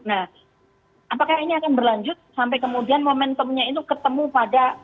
nah apakah ini akan berlanjut sampai kemudian momentumnya itu ketemu pada